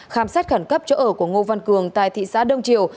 khám xét khẩn cấp chỗ ở của ngô văn cường tại thị xã đông triều